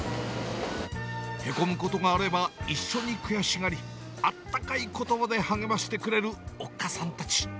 へこむことがあれば、一緒に悔しがり、あったかいことばで励ましてくれるおっかさんたち。